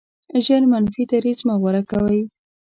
ژر منفي دریځ مه غوره کوئ.